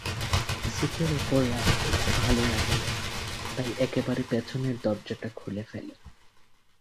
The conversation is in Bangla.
সিটের ওপর রাখলে ভালো লাগে না, তাই একেবারে পেছনের দরজাটা খুলে ফেলে।